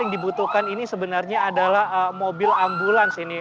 yang dibutuhkan ini sebenarnya adalah mobil ambulans ini